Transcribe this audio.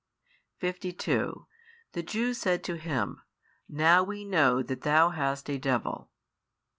52 The Jews said to Him, Now we know that Thou hast a devil.